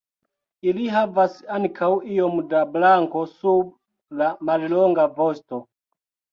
Ili havas ankaŭ iom da blanko sub la mallonga vosto.